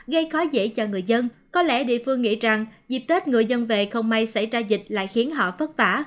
gây khó dễ cho người dân có lẽ địa phương nghĩ rằng dịp tết người dân về không may xảy ra dịch lại khiến họ vất vả